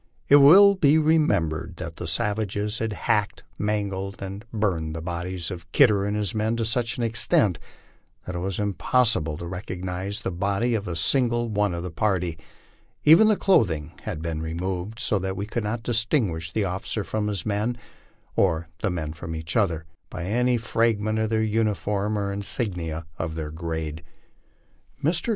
It will be remembered that the savages had hacked, mangled, and burned tho bodies of Kidder and his men to such an extent that it was impossible to recog nize the body of a single one of the party; even the clothing had been removed, BO that we could not distinguish the officer from his men, or the men from each other, by any fragment of their uniform or insignia of their grade. Mr.